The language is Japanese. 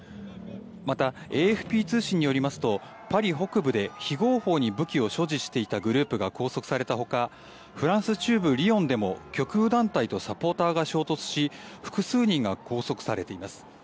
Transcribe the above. またＡＦＰ通信によりますとパリ北部で非合法に武器を所持していたグループが拘束されたほかフランス中部リヨンでも極右団体とサポーターが衝突し複数人が拘束されています。